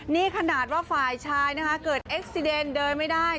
นี่ขนาดว่าฝ่ายชายนะคะเกิดเอ็กซีเดนเดินไม่ได้